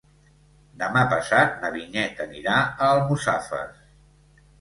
Demà passat na Vinyet anirà a Almussafes.